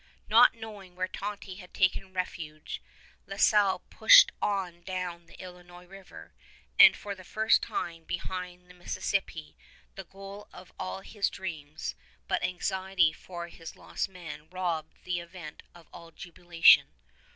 Not knowing where Tonty had taken refuge, La Salle pushed on down the Illinois River, and for the first time beheld the Mississippi, the goal of all his dreams; but anxiety for his lost men robbed the event of all jubilation.